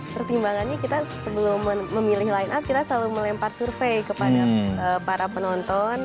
pertimbangannya kita sebelum memilih line up kita selalu melempar survei kepada para penonton